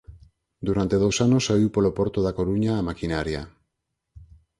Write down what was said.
Durante dous anos saíu polo porto da Coruña a maquinaria.